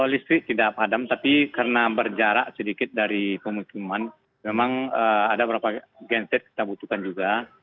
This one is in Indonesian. listrik tidak padam tapi karena berjarak sedikit dari pemukiman memang ada beberapa genset kita butuhkan juga